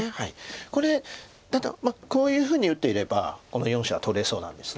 これこういうふうに打っていればこの４子は取れそうなんです。